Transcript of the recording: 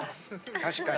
確かに。